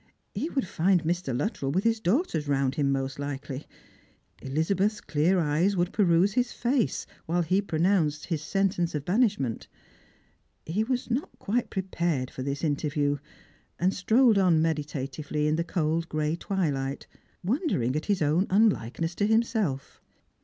He would find Mr. Luttrell with his daughters round him most likely. Elizabeth's clear eyes would peruse his face while he pronounced his sentence of banishment. He was not quite prepared for this interview, and strolled on meditatively, in the cold gray twilight, wondering at his own Tinlikeness to himself.